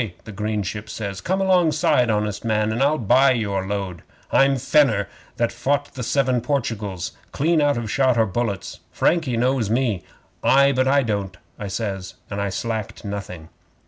the green ship says. "Come alongside, honest man, and I'll buy your load. I'm Fenner that fought the seven Portugals clean out of shot or bullets. Frankie knows me." '"Ay, but I don't," I says, and I slacked nothing.